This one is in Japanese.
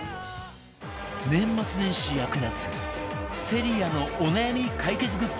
年末年始役立つセリアのお悩み解決グッズ